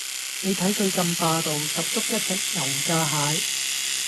你睇佢咁霸道，十足一隻油炸蟹